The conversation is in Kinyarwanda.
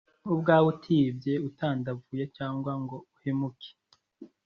ubwawe, utibye, utandavuye cyangwa ngo uhemuke.